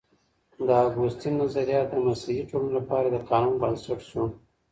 د اګوستين نظريات د مسيحي ټولنو لپاره د قانون بنسټ سو.